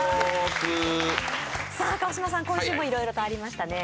川島さん、今週もいろいろとありましたね。